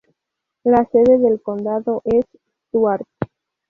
La sede del condado es Stuart.